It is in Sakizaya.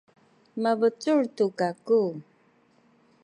mabecul tu kaku.